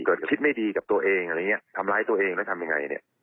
คิดไม่ดีกับตัวเองอะไรอย่างเงี้ยทำร้ายตัวเองแล้วทำยังไงเนี่ย